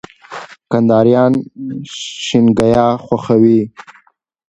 کندهاريان شينګياه خوښوي